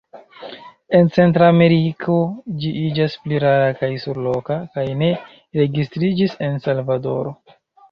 En Centrameriko ĝi iĝas pli rara kaj surloka, kaj ne registriĝis en Salvadoro.